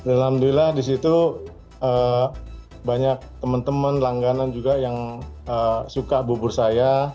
alhamdulillah disitu banyak temen temen langganan juga yang suka bubur saya